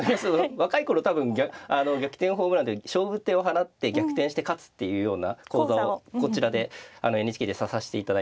若い頃多分逆転ホームランで勝負手を放って逆転して勝つっていうような講座をこちらでＮＨＫでささしていただいてて。